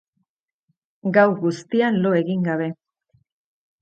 Gau guztian lo egin gabe.